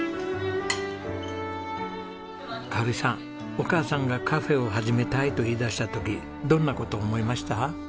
かおりさんお母さんがカフェを始めたいと言いだした時どんな事を思いました？